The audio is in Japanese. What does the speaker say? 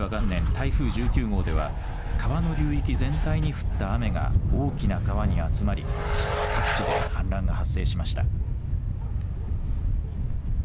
台風１９号では川の流域全体に降った雨が大きな川に集まり各地で氾濫が発生しました。